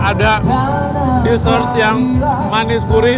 ada dessert yang manis gurih